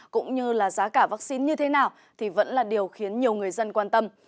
cũng như là giá cả vaccine như thế nào thì vẫn là điều khiến nhiều người dân quan tâm